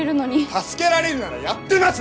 助けられるならやってます！